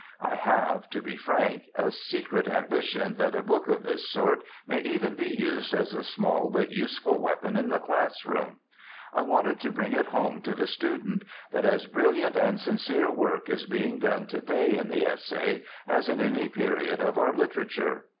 I have, to be frank, a secret ambition that a book of this sort may even be used as a small but useful weapon in the classroom. I wanted to bring it home to the student that as brilliant and sincere work is being done to day in the essay as in any period of our literature.